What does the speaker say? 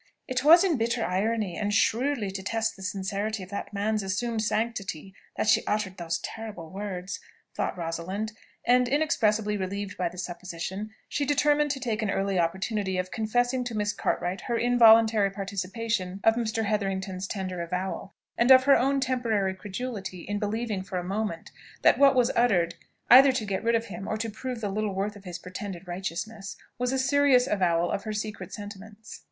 "It was in bitter irony, and shrewdly to test the sincerity of that man's assumed sanctity, that she uttered those terrible words," thought Rosalind; and inexpressibly relieved by the supposition, she determined to take an early opportunity of confessing to Miss Cartwright her involuntary participation of Mr. Hetherington's tender avowal, and of her own temporary credulity in believing for a moment that what was uttered, either to get rid of him or to prove the little worth of his pretended righteousness, was a serious avowal of her secret sentiments.